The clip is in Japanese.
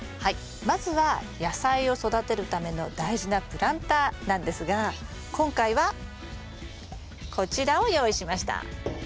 まずは野菜を育てるための大事なプランターなんですが今回はこちらを用意しました。